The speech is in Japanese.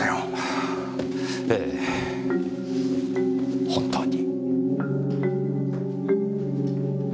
ええ本当に。